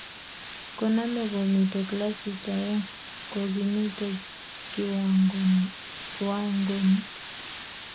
koname komito klasit oeng ko kimito kiwangoinik